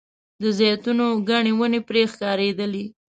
د زیتونو ګڼې ونې پرې ښکارېدلې.